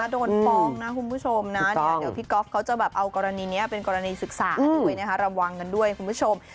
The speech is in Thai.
โดนฟ้องนะคุณผู้ชมนะเดี๋ยวพี่ก๊อฟเขาจะแบบเอากรณีนี้เป็นกรณีศึกษาด้วยนะคะระวังกันด้วยคุณผู้ชม